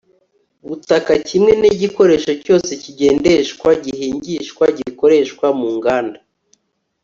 butaka kimwe n igikoresho cyose kigendeshwa gihingishwa gikoreshwa mu nganda